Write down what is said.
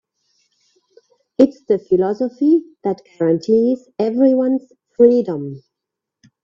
It's the philosophy that guarantees everyone's freedom.